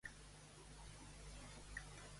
Què diu Ramon a la Montserrat?